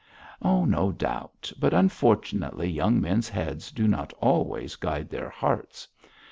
'No doubt! but unfortunately young men's heads do not always guide their hearts.